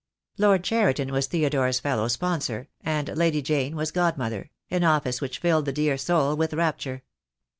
Lord Cheriton was Theodore's fellow sponsor, and Lady Jane was Godmother, an office which filled the dear soul with rapture.